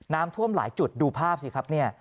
น้ำท่วมหลายจุดดูภาพสิครับเนี่ย